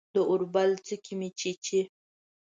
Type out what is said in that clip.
د اوربل څوکې مې چیچي